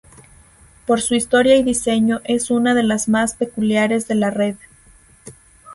Por su historia y diseño es una de las más peculiares de la red.